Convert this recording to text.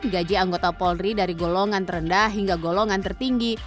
gaji anggota polri dari golongan terendah hingga golongan tertinggi